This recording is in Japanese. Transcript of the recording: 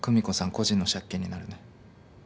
個人の借金になるね。